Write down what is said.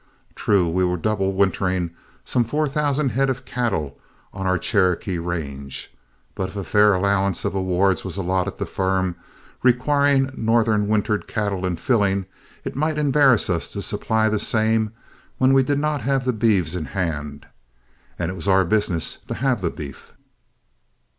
True, we were double wintering some four thousand head of cattle on our Cherokee range, but if a fair allowance of awards was allotted the firm, requiring northern wintered cattle in filling, it might embarrass us to supply the same when we did not have the beeves in hand; it was our business to have the beef.